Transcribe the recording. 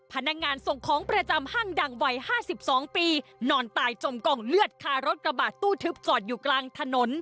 พนักงานส่งของประจำห้างดังวัย๕๒ปีนอนตายจมกองเลือดคารถกระบาดตู้ทึบจอดอยู่กลางถนน